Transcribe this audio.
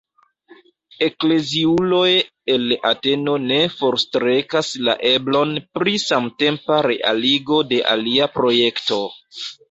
Ekleziuloj el Ateno ne forstrekas la eblon pri samtempa realigo de alia projekto.